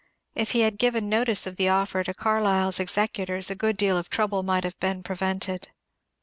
If he had given notice of the offer to Carlyle's executors a good deal of trouble might have been prevented.